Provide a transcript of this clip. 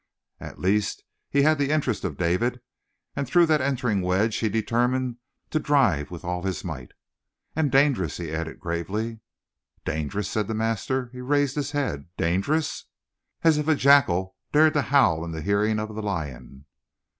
At least he had the interest of David, and through that entering wedge he determined to drive with all his might. "And dangerous," he added gravely. "Dangerous?" said the master. He raised his head. "Dangerous?" As if a jackal had dared to howl in the hearing of the lion.